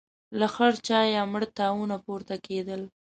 له خړ چايه مړه تاوونه پورته کېدل.